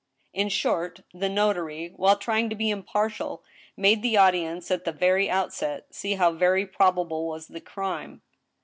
In short, the notary, while trying to be impartial, made the audi ence, at the very outset, see how very probable was the crime.